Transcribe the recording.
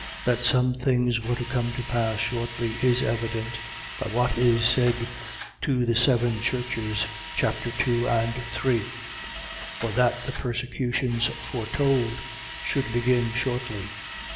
That some things were to come to pass shortly, is evident, by what is said to the Seven Churches, chap. 2 and 3, Or that the persecutions foretold should begin shortly.